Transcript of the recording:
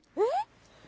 えっ？